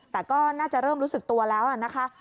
แต่ก็น่าจะเริ่มรู้สึกตัวแล้วนะคะ